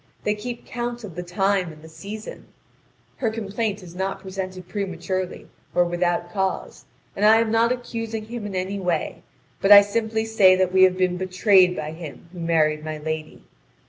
They keep count of the time and the season. Her complaint is not presented prematurely or without cause, and I am not accusing him in any way, but I simply say that we have been betrayed by him who married my lady.